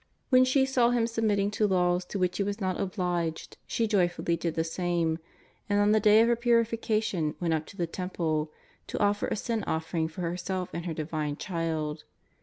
When she saw Him submitting to laws to which He was not obliged, she joyfully did the same, and on the day of her Purifica tion went up to the Temple to offer a sin offering for :i 72 JESUS OF NAZARETH. herself and her Divine Child.